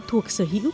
thuộc sở hữu